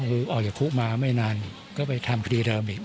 คือออกจากคุกมาไม่นานก็ไปทำคดีเดิมอีก